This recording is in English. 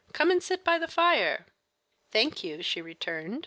Come and sit by the fire." "Thank you," she returned.